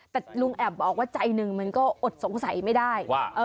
แต่ลุงแอบบอกว่าใจหนึ่งมันก็อดสงสัยไม่ได้ว่า